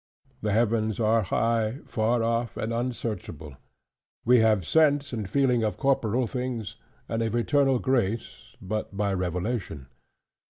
The Heavens are high, far off, and unsearchable: we have sense and feeling of corporal things; and of eternal grace, but by revelation.